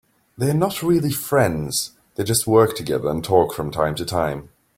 They are not really friends, they just work together and talk from time to time.